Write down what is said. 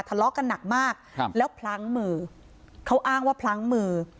ทะเลาะกันหนักมากครับแล้วพลั้งมือเขาอ้างว่าพลั้งมือ